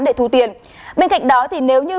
để thu tiền bên cạnh đó thì nếu như